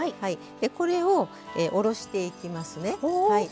これを、下ろしていきますね。